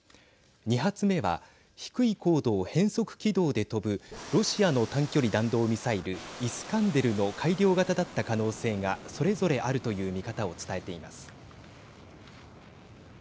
２発目は低い高度を変則軌道で飛ぶロシアの短距離弾道ミサイルイスカンデルの改良型だった可能性がそれぞれあるという見方を伝えています。